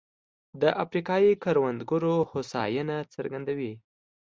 د افریقايي کروندګرو هوساینه څرګندوي.